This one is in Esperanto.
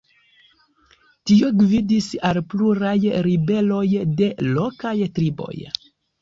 Tio gvidis al pluraj ribeloj de lokaj triboj.